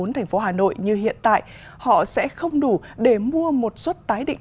thành phố hà nội như hiện tại họ sẽ không đủ để mua một suất